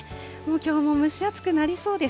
きょうも蒸し暑くなりそうです。